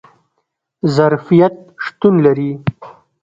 ظرفیت شتون لري